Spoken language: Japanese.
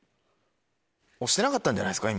押してなかったんじゃないですか？